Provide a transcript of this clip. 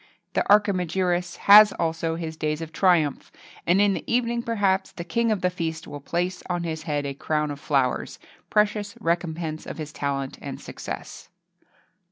The Archimagirus has also his days of triumph; and in the evening, perhaps, the king of the feast will place on his head a crown of flowers, precious recompense of his talent and success.